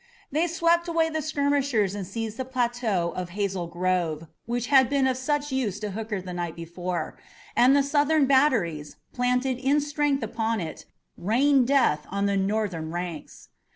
They swept away the skirmishers and seized the plateau of Hazel Grove which had been of such use to Hooker the night before, and the Southern batteries, planted in strength upon it, rained death on the Northern ranks.